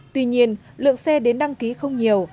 tuy nhiên lượng xe đến đăng ký không nhiều